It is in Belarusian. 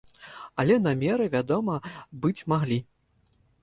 Але намеры, вядома, быць маглі.